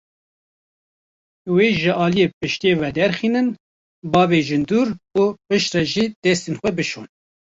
Wê ji aliyê piştê ve derxînin, bavêjin dûr, û piştre jî destên xwe bişon.